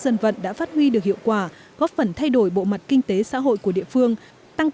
dân vận đã phát huy được hiệu quả góp phần thay đổi bộ mặt kinh tế xã hội của địa phương tăng